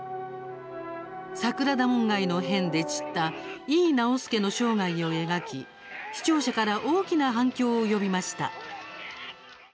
桜田門外の変で散った井伊直弼の生涯を描き視聴者から大きな反響を呼びました。